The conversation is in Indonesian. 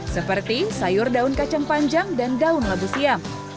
seperti sayur daun kacang panjang dan daun labu siam